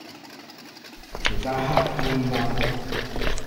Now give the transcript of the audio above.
條街黑咪蚊